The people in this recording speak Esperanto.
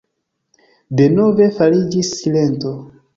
Denove fariĝis silento.